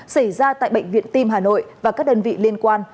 xảy ra tại bệnh viện tim hà nội và các đơn vị liên quan